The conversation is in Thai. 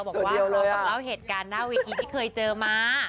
บอกว่าเราของเราเหตุการณ์หน้าเวทีที่เคยเจอมา